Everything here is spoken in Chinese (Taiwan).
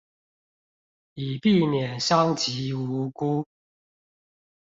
以避免傷及無辜